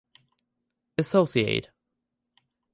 Associate.